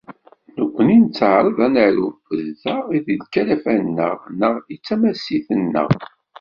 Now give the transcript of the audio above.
Nekkni nettaεraḍ ad naru, d ta i d lkalafa-nneɣ neɣ i d tamasit-nneɣ.